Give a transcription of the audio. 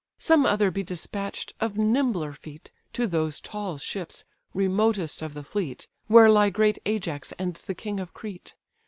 Some other be despatch'd of nimbler feet, To those tall ships, remotest of the fleet, Where lie great Ajax and the king of Crete.